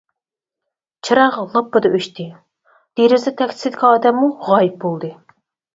چىراغ لاپپىدە ئۆچتى، دېرىزە تەكچىسىدىكى ئادەممۇ غايىب بولدى.